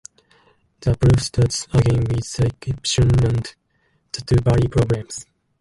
The proof starts again with the equation of the two-body problem.